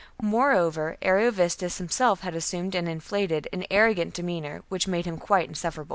Moreover, Ariovistus himself had assumed an inflated and arrogant demeanour, which made him quite insufferable.